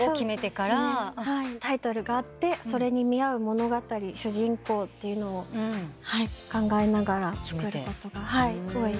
タイトルがあってそれに見合う物語主人公を考えながら作ることが多いです。